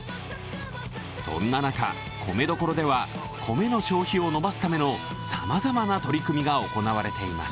そんな中、米どころでは、米の消費を伸ばすための、さまざまな取り組みが行われています。